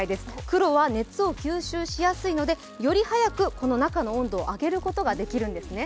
黒は熱を吸収しやすいので、より早くこの中の温度を上げることができるんですね。